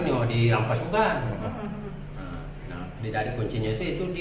terhadap pilihan anggota durante untuk pilihan rebellion witchds